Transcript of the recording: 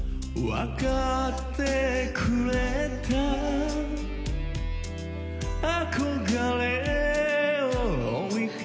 わかってくれた